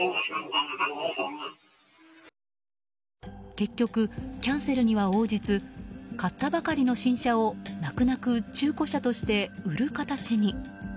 結局、キャンセルには応じず買ったばかりの新車を泣く泣く中古車として売る形に。